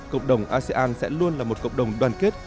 cộng đồng asean sẽ luôn là một cộng đồng đoàn kết